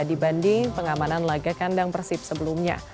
dibanding pengamanan laga kandang persib sebelumnya